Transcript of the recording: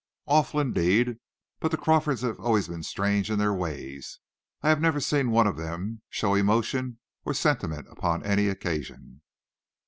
"Awful, indeed! But the Crawfords have always been strange in their ways. I have never seen one of them show emotion or sentiment upon any occasion."